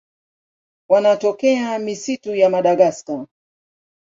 Wanatokea misitu ya Madagaska.